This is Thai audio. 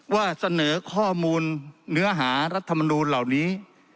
ว่าเสนอข้อมูลเนื้อหารัฐมนูลเหล่านี้